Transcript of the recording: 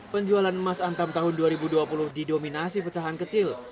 penjualan emas antam tahun dua ribu dua puluh didominasi pecahan kecil